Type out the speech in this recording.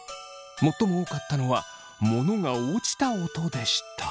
最も多かったのは物が落ちた音でした。